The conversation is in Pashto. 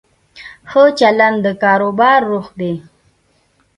ښه چلند د کاروبار روح دی.